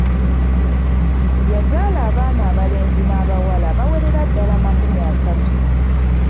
Yazaala abaana abalenzi n'abawala abawerera ddala makumi asatu.